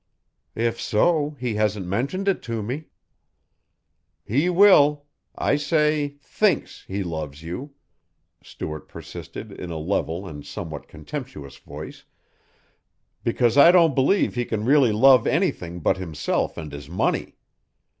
"If so, he hasn't mentioned it to me." "He will I say 'thinks' he loves you," Stuart persisted in a level and somewhat contemptuous voice, "because I don't believe he can really love anything but himself and his money.